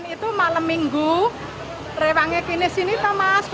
itu malam minggu rewangnya gini sini thomas